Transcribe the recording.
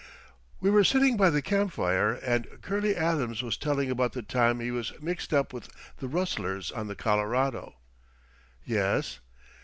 "We were sitting by the camp fire, and Curley Adams was telling about the time he was mixed up with the rustlers on the Colorado." "Yes."